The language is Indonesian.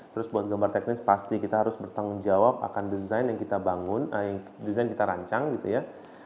terus buat gambar teknis pasti kita harus bertanggung jawab akan desain yang kita bangun yang desain kita rancang gitu ya